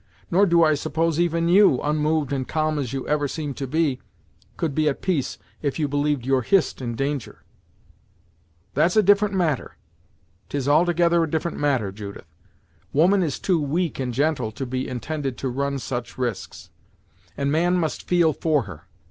Nor do I suppose even you, unmoved and calm as you ever seem to be, could be at peace if you believed your Hist in danger." "That's a different matter 'tis altogether a different matter, Judith. Woman is too weak and gentle to be intended to run such risks, and man must feel for her.